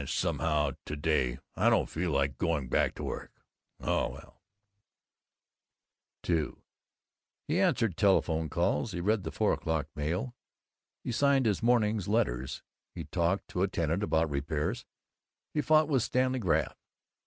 I Somehow, to day, I don't feel like going back to work. Oh well " II He answered telephone calls, he read the four o'clock mail, he signed his morning's letters, he talked to a tenant about repairs, he fought with Stanley Graff.